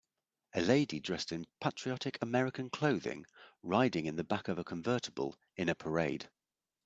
A lady dressed in patriotic American clothing riding in the back of a convertible in a parade.